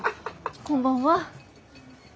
こんばんは。